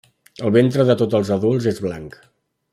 El ventre de tots els adults és blanc.